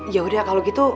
ya udah kalau gitu